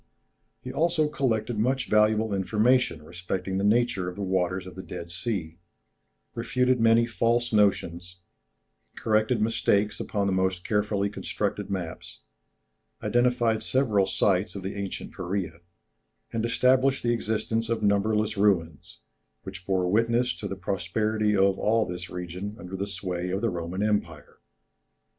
] He had also collected much valuable information respecting the nature of the waters of the Dead Sea, refuted many false notions, corrected mistakes upon the most carefully constructed maps, identified several sites of the ancient Peræa, and established the existence of numberless ruins, which bore witness to the prosperity of all this region under the sway of the Roman Empire.